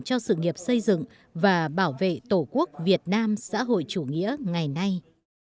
cho sự nghiệp xây dựng và bảo vệ tổ quốc việt nam xã hội chủ nghĩa ngày nay